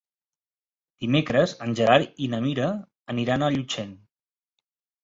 Dimecres en Gerard i na Mira aniran a Llutxent.